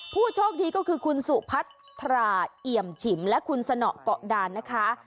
ผู้โชคดีก็คือคุณสุพัทราเอี่ยมฉิมและคุณสนเกาะดานนะคะ